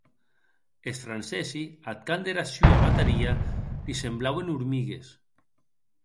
Es francesi, ath cant dera sua bataria, li semblauen hormigues.